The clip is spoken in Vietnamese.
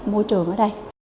môi trường ở đây